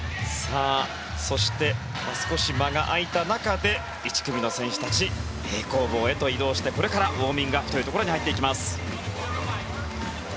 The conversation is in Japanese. そして少し間が空いた中で１組の選手たち平行棒へと移動してこれからウォーミングアップに入っていきます。